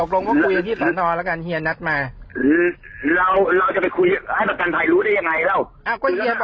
เราจะไปให้ประกันไทยรู้ได้ยังไงแล้ว